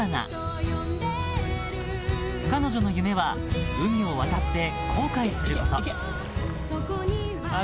［彼女の夢は海を渡って航海すること］